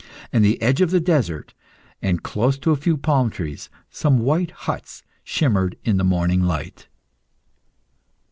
At the edge of the desert, and close to a few palm trees, some white huts shimmered in the morning light.